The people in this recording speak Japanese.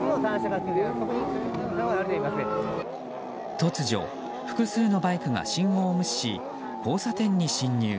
突如、複数のバイクが信号を無視し交差点に進入。